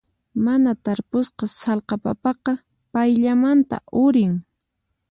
Mana tarpusqa sallqa papaqa payllamanta urin.